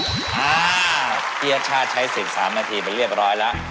อ่าพี่อาชาติใช้สิน๓นาทีเป็นเรียบร้อยแล้ว